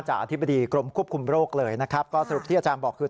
อธิบดีกรมควบคุมโรคเลยนะครับก็สรุปที่อาจารย์บอกคือ